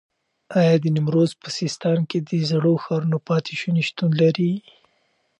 ایا د نیمروز په سیستان کې د زړو ښارونو پاتې شونې شتون لري؟